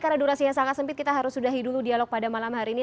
karena durasi yang sangat sempit kita harus sudahi dulu dialog pada malam hari ini